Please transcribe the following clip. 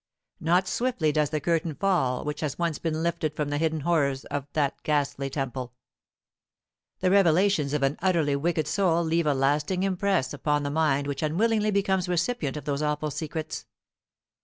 Not swiftly does the curtain fall which has once been lifted from the hidden horrors of that ghastly temple. The revelations of an utterly wicked soul leave a lasting impress upon the mind which unwillingly becomes recipient of those awful secrets.